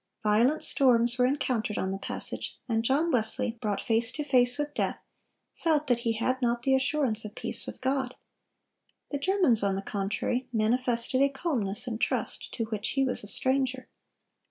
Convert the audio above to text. Violent storms were encountered on the passage, and John Wesley, brought face to face with death, felt that he had not the assurance of peace with God. The Germans, on the contrary, manifested a calmness and trust to which he was a stranger.